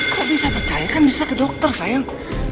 kalau bisa percaya kan bisa ke dokter sayang